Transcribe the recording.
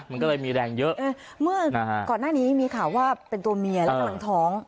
มันก็เลยมีแรงเยอะเมื่อก่อนหน้านี้มีข่าวว่าเป็นตัวเมียและกำลังท้อง